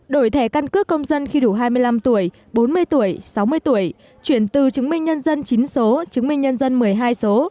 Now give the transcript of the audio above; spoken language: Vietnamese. đổi thẻ căn cước công dân khi đủ hai mươi năm tuổi bốn mươi tuổi sáu mươi tuổi chuyển từ chứng minh nhân dân chín số chứng minh nhân dân một mươi hai số